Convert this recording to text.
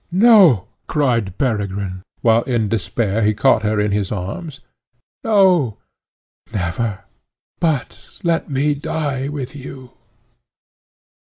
"No!" cried Peregrine, while in despair he caught her in his arms "No! never! But let me die with you!"